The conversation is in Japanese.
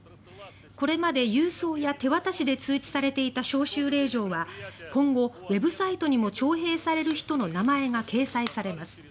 これまで郵送や手渡しで通知されていた招集令状は今後、ウェブサイトにも徴兵される人の名前が掲載されます。